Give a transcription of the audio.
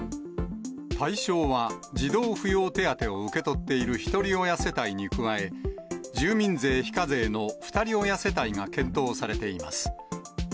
対象は児童扶養手当を受け取っているひとり親世帯に加え、住民税非課税のふたり親世帯が検討されています。